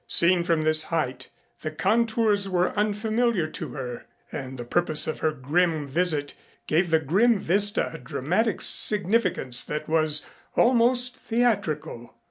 Seen from this height the contours were unfamiliar to her and the purpose of her grim visit gave the grim vista a dramatic significance that was almost theatrical.